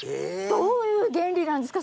どういう原理なんですか？